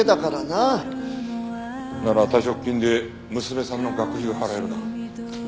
なら退職金で娘さんの学費を払えるな。